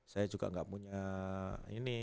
saya juga nggak punya ini